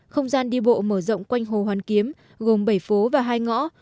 không gian đi bộ mở rộng quanh hồ hoàn kiếm gồm bảy phố và hai ngõ